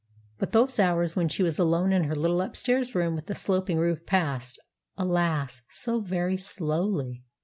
But those hours when she was alone in her little upstairs room with the sloping roof passed, alas! so very slowly.